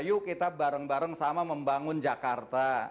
yuk kita bareng bareng sama membangun jakarta